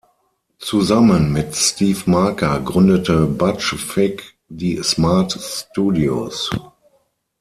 Zusammen mit Steve Marker gründete Butch Vig die "Smart Studios.